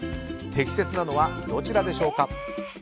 適切なのはどちらでしょうか？